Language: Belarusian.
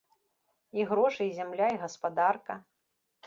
І грошы, і зямля, і гаспадарка.